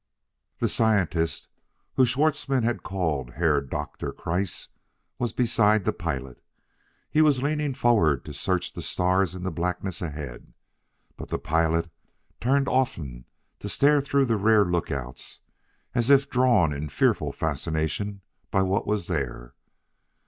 The scientist, whom Schwartzmann had called Herr Doktor Kreiss, was beside the pilot. He was leaning forward to search the stars in the blackness ahead, but the pilot turned often to stare through the rear lookouts as if drawn in fearful fascination by what was there.